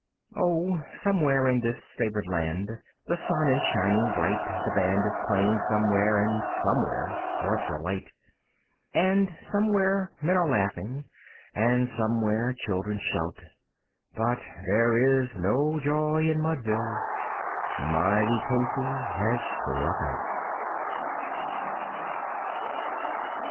Oh, somewhere in this favoured land the sun is shining bright, The band is playing somewhere, and somewhere hearts are light, And somewhere men are laughing, and somewhere children shout; But there is no joy in Mudville mighty Casey has struck out.